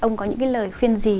ông có những lời khuyên gì